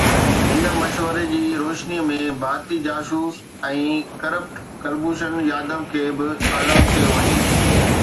ان مشوري جي روشني ۾ ڀارتي جاسوس ۽ ڪرپٽ ڪلڀوشن ياديو کي به آزاد ڪيو وڃي.